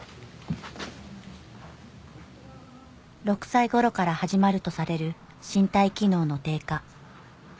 ６歳頃から始まるとされる身体機能の低下